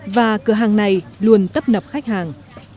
và cửa hàng này luôn tấp nập khách hàng